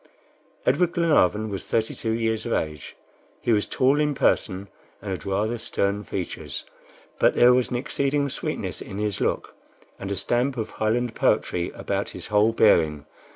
Edward Glenarvan was thirty two years of age. He was tall in person, and had rather stern features; but there was an exceeding sweetness in his look, and a stamp of Highland poetry about his whole bearing.